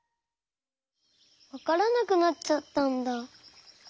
わからなくなっちゃったんだ。